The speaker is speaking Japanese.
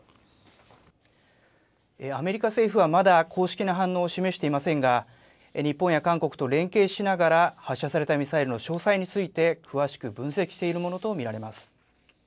アメリカ政府はまだ、公式な反応を示していませんが、日本や韓国と連携しながら発射されたミサイルの詳細について、詳しく分析しているものと見られます。